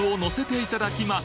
いただきます。